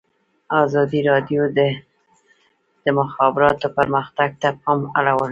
ازادي راډیو د د مخابراتو پرمختګ ته پام اړولی.